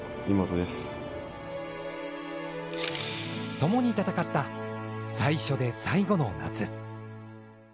共に戦った最初で最後の夏。